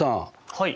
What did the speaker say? はい。